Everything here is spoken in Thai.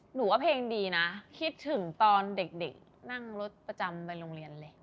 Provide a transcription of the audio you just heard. หนูว่าเพลงดีนะคิดถึงตอนเด็กนั่งรถประจำไปโรงเรียนเลย